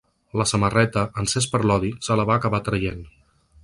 La samarreta, encès per l’odi, se la va acabar traient.